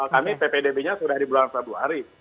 kami ppdb nya sudah di bulan februari